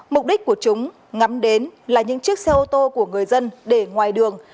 mục đích của chúng ngắm đến là những chiếc xe ô tô của người dân để ngoài đường